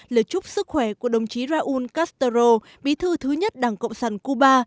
lời chúc sức khỏe của đồng chí raúl castro bí thư thứ nhất đảng cộng sản cuba